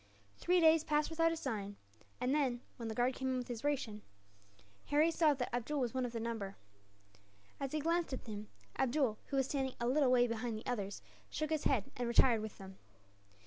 Three days passed without a sign; and then, when the guard came in with his ration, Harry saw that Abdool was one of the number. As he glanced at him, Abdool, who was standing a little way behind the others, shook his head, and retired with them.